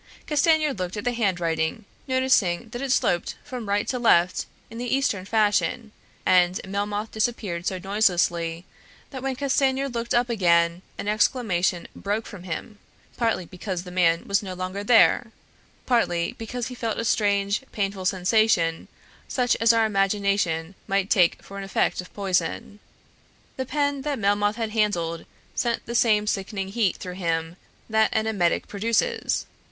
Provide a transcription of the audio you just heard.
Castanier looked at the handwriting, noticing that it sloped from right to left in the Eastern fashion, and Melmoth disappeared so noiselessly that when Castanier looked up again an exclamation broke from him, partly because the man was no longer there, partly because he felt a strange painful sensation such as our imagination might take for an effect of poison. The pen that Melmoth had handled sent the same sickening heat through him that an emetic produces.